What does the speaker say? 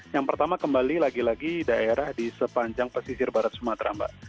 yang pertama kembali lagi lagi daerah di sepanjang pesisir barat sumatera mbak